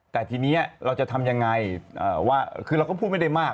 แต่ทีนี้เราจะทำยังไงว่าคือเราก็พูดไม่ได้มาก